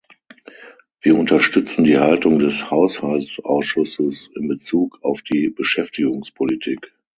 Wir unterstützen die Haltung des Haushaltsausschusses in bezug auf die Beschäftigungspolitik.